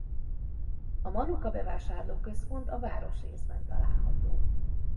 A Manuka bevásárlóközpont a városrészben található.